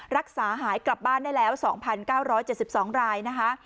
รักษาหายกลับบ้านได้แล้ว๒๙๗๒รายนะคะ